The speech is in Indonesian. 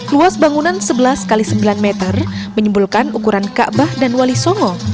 luas bangunan sebelas x sembilan meter menyimpulkan ukuran kaabah dan wali songo